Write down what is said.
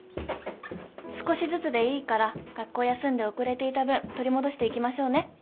少しずつでいいから学校休んで遅れていた分取り戻していきましょうね。